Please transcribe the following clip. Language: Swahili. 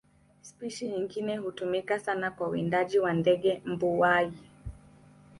Spishi nyingine hutumika sana kwa uwindaji kwa ndege mbuai.